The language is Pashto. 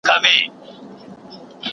انګریز پوځیان په ښار کې لیدل شوي.